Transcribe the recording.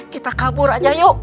kita kabur aja yuk